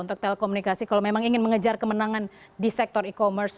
untuk telekomunikasi kalau memang ingin mengejar kemenangan di sektor e commerce